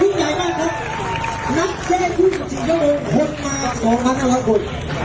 วิ่งใหญ่มากครับนักเช่งวิ่งสี่โยงคนมาสองพันห้าร้อยคน